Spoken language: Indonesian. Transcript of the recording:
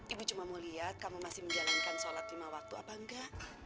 ibu cuma mau lihat kamu masih menjalankan sholat lima waktu apa enggak